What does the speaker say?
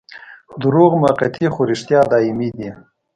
دروغ موقتي خو رښتیا دايمي دي.